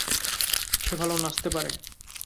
সে ভালো নাচতে পারে।